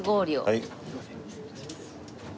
はい。